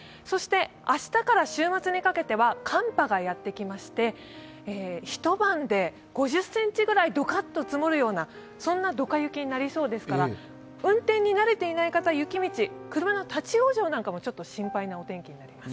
明日から週末にかけては寒波がやってきまして、一晩で５０ｃｍぐらいどかっと積もるようなそんなドカ雪になりそうですから運転に慣れていない方、雪道、車の立往生なんかも心配なお天気になります。